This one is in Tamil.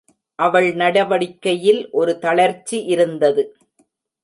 அவள் நடவடிக்கையில் ஒரு தளர்ச்சி இருந்தது.